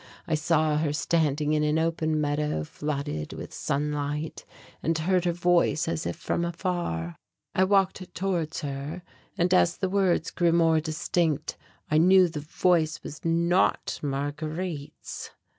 I saw her standing in an open meadow flooded with sunlight; and heard her voice as if from afar. I walked towards her and as the words grew more distinct I knew the voice was not Marguerite's.